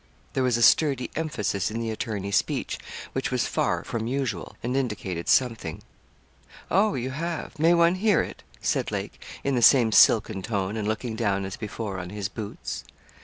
There was a sturdy emphasis in the attorney's speech which was far from usual, and indicated something. 'Oh! you have? May one hear it?' said Lake, in the same silken tone, and looking down, as before, on his boots.